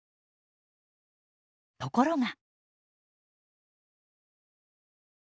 ところが。